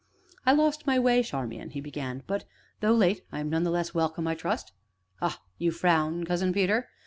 "I lost my way, Charmian," he began, "but, though late, I am none the less welcome, I trust? Ah? you frown, Cousin Peter?